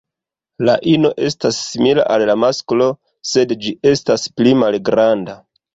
La ino estas simila al la masklo, sed ĝi estas pli malgranda.